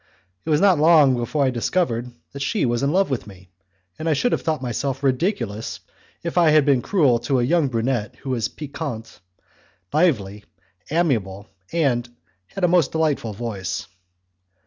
It was not long before I discovered that she was in love with me, and I should have thought myself ridiculous if I had been cruel to a young brunette who was piquant, lively, amiable, and had a most delightful voice.